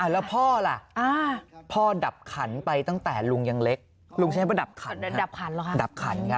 แล้วพ่อล่ะพ่อดับขันไปตั้งแต่ลุงยังเล็กลุงใช้ไหมว่าดับขันค่ะดับขันครับ